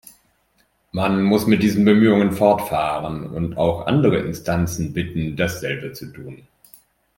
Man muss mit diesen Bemühungen fortfahren und auch andere Instanzen bitten, dasselbe zu tun.